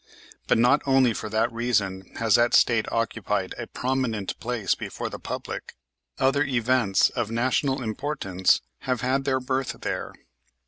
But not only for that reason has that State occupied a prominent place before the public; other events of national importance have had their birth there.